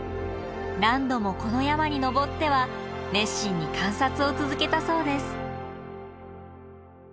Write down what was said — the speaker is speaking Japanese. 何度もこの山に登っては熱心に観察を続けたそうです。